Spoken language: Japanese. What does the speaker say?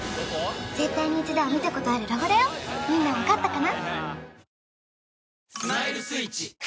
絶対に一度は見たことあるロゴだよみんな分かったかな？